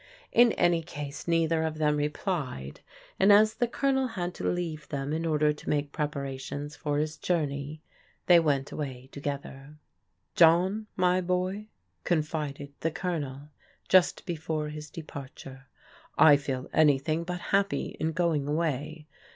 In any case neither of them replied, and as the Colonel had to leave them in order to make preparations for his journey they went away together. " John, my boy," confided the Colonel just before his departure, " I feel anything but happy in going away.